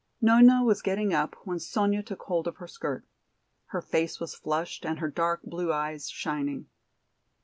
Nona was getting up when Sonya took hold of her skirt. Her face was flushed and her dark blue eyes shining.